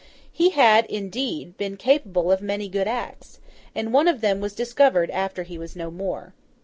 He had, indeed, been capable of many good acts, and one of them was discovered after he was no more.